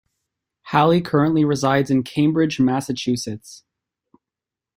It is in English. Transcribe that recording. Halle currently resides in Cambridge, Massachusetts.